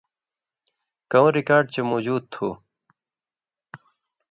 کؤں رِکارڈ چے موجُود تُھو